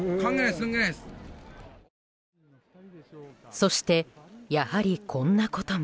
そして、やはりこんなことも。